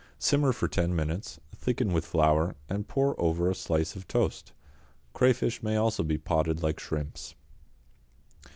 Simmer for ten minutes, thicken with flour, and pour over a slice of toast. Crayfish may also be potted like shrimps.